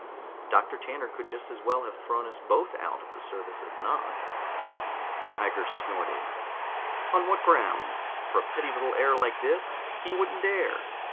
Dr. Tanner could just as well have thrown us both out of the service as not." Tiger snorted. "On what grounds? For a petty little error like this? He wouldn't dare!